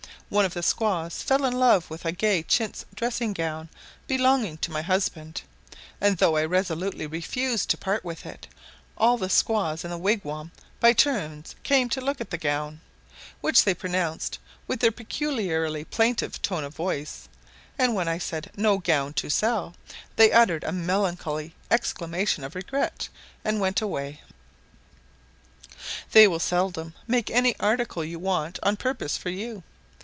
One of the squaws fell in love with a gay chintz dressing gown belonging to my husband, and though I resolutely refused to part with it, all the squaws in the wigwam by turns came to look at "gown," which they pronounced with their peculiarly plaintive tone of voice; and when I said "no gown to sell," they uttered a melancholy exclamation of regret, and went away. They will seldom make any article you want on purpose for you.